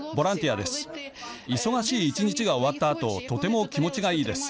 忙しい一日が終わったあととても気持ちがいいです。